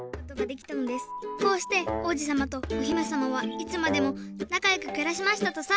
こうしておうじさまとおひめさまはいつまでもなかよくくらしましたとさ。